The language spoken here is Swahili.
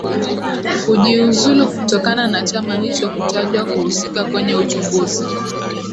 kujiuzulu kutokana na chama hicho kutajwa kuhusika kwenye uchunguzi